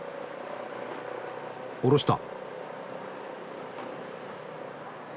下ろした。